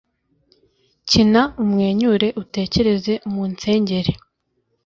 kina, umwenyure, utekereze, munsengere.